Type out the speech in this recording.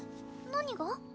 何が？